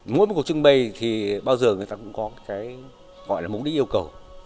mỗi một cuộc trưng bày thì bao giờ người ta cũng có cái gọi là mục đích yêu cầu